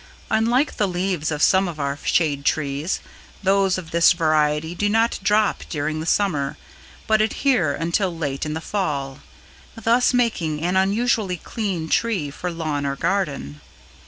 Unlike the leaves of some of our shade trees, those of this variety do not drop during the Summer but adhere until late in the Fall, thus making an unusually clean tree for lawn or garden.